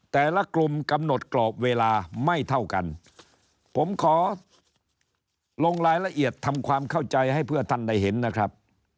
แต่ละกลุ่มกำหนดกรอบเวลาไม่เท่ากันผมขอลงรายละเอียดทำความเข้าใจให้เพื่อท่านได้เห็นนะครับ